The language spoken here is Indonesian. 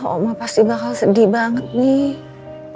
oma pasti bakal sedih banget nih